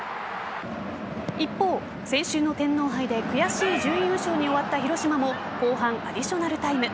一方、先週の天皇杯で悔しい準優勝に終わった広島も後半、アディショナルタイム。